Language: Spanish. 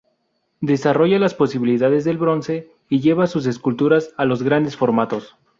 Desarrolla las posibilidades del bronce, y lleva sus esculturas a los grandes formatos.